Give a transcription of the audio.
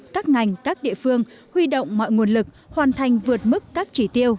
các ngành các địa phương huy động mọi nguồn lực hoàn thành vượt mức các chỉ tiêu